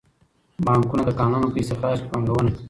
بانکونه د کانونو په استخراج کې پانګونه کوي.